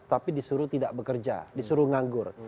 tapi disuruh tidak bekerja disuruh nganggur